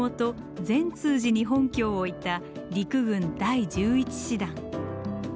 善通寺に本拠を置いた陸軍第１１師団。